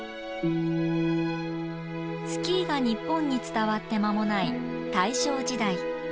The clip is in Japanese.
スキーが日本に伝わって間もない大正時代。